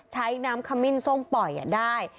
ใช้น้ำขมิ้นส้มปล่อยได้